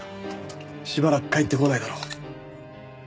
しばらく帰ってこないだろう。